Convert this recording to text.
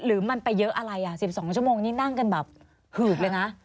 หรือมันไปเยอะอะไรอ่ะ๑๒ชั่วโมงนี้นั่งกันแบบหืดเลยนะ